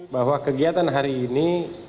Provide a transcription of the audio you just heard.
bahwa kegiatan hari ini